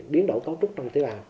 biến đổi cấu trúc trong tế bào